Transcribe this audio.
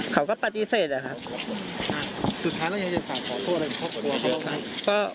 เขาก็ปฏิเสธแหละครับ